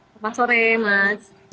selamat sore mas